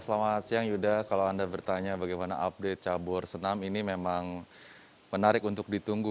selamat siang yuda kalau anda bertanya bagaimana update cabur senam ini memang menarik untuk ditunggu